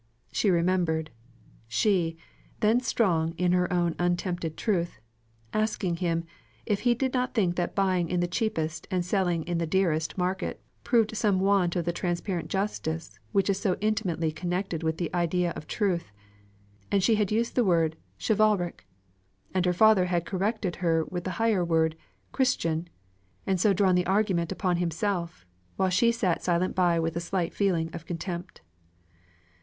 She remembered she, then strong in her own untempted truth asking him, if he did not think that buying in the cheapest and selling in the dearest market proved some want of the transparent justice which is so intimately connected with the idea of truth: and she had used the word chivalric and her father had corrected her with the higher word, Christian; and so drawn the argument upon himself, while she sate silent by with a slight feeling of contempt.